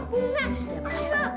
bilang dis eren resistant